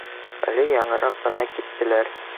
Әле яңыраҡ ҡына киттеләр